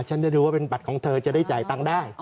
ฉันจะดูว่าเป็นบัตรของเธอจะได้จ่ายตังค์ได้